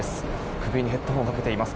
首にヘッドホンをかけています。